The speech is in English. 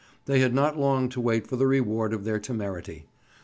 They had not long to wait for the reward of their temerity.